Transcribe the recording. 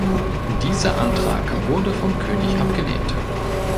Dieser Antrag wurde vom König abgelehnt.